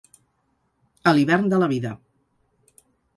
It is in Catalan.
A l'hivern de la vida.